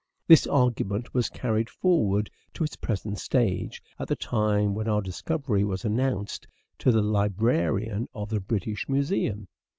This argument was carried forward to its present stage at the time when our discovery was announced to the librarian of the British Museum.